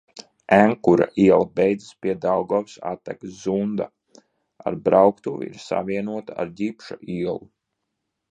Enkura iela beidzas pie Daugavas attekas Zunda, ar brauktuvi ir savienota ar Ģipša ielu.